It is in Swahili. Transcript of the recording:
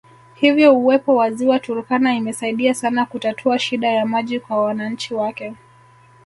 Hivyo uwepo wa Ziwa Turkana imesaidia sana kutatua shida ya maji kwa wananchi wake